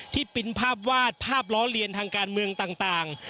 ปินภาพวาดภาพล้อเลียนทางการเมืองต่าง